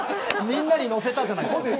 みんなに乗せたじゃないですか。